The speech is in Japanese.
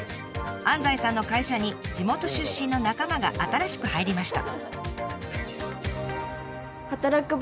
安西さんの会社に地元出身の仲間が新しく入りました。